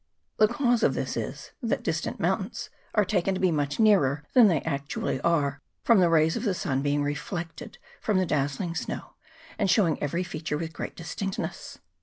The cause of this is, that distant mountains are taken to be much nearer than they actually are, from the rays of the sun being reflected from the dazzling snow, and showing every feature with great distinctness.